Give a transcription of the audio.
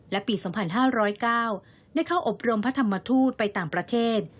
และปี๒๕๐๙ได้เข้าอบรมพระธรรมทูตไปต่างประเทศ